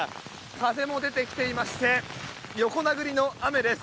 風も出てきていまして横殴りの雨です。